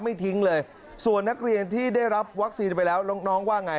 ไม่ทิ้งเลยส่วนนักเรียนที่ได้รับวัคซีนไปแล้วน้องว่าไง